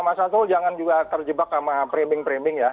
mas arsul jangan juga terjebak sama prebeng prebeng ya